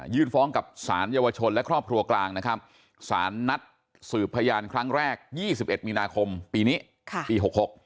ฟ้องกับสารเยาวชนและครอบครัวกลางนะครับสารนัดสืบพยานครั้งแรก๒๑มีนาคมปีนี้ปี๖๖